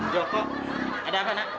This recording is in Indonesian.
joko ada apa nak